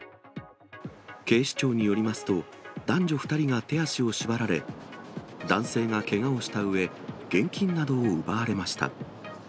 警視庁によりますと、男女２人が手足を縛られ、男性がけがをしたうえ、現金などを奪われました。